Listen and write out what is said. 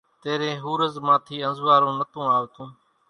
تيرين ۿورز مان ٿي انزوئارون نتون آوتون